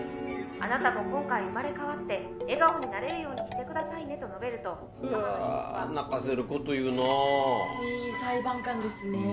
あなたも今回生まれ変わって笑顔になれるようにしてくださいねと述べるとうわあ泣かせること言うなあいい裁判官ですねえ